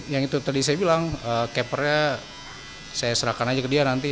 yang itu tadi saya bilang kepernya saya serahkan aja ke dia nanti